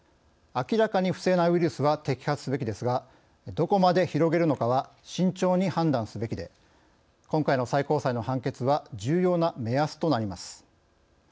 明らかに不正なウイルスは摘発すべきですがどこまで広げるのかは慎重に判断すべきで今回の最高裁の判決は重要な目安となります。